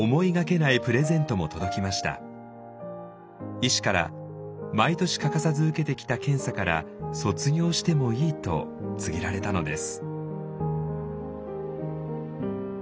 医師から毎年欠かさず受けてきた検査から卒業してもいいと告げられたのです。